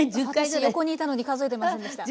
私横にいたのに数えてませんでした。